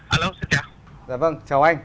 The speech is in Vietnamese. alo xin chào